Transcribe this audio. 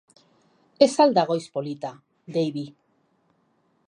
Ez al da goiz polita, Davie?